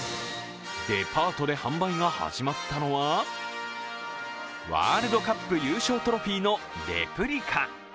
デパートで販売が始まったのはワールドカップ優勝トロフィーのレプリカ。